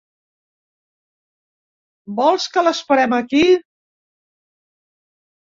¿Vols que l'esperem aquí?